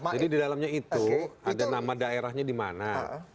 jadi di dalamnya itu ada nama daerahnya di mana